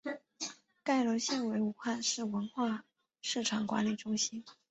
该楼现为武汉市文化市场管理中心。